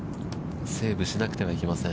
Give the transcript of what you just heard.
セーブしなくてはいけません。